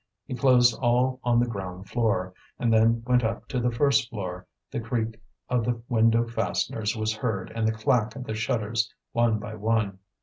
He closed all on the ground floor, and then went up to the first floor; the creak of the window fasteners was heard and the clack of the shutters one by one.